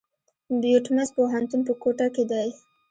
بيوټمز پوهنتون په کوټه کښي دی.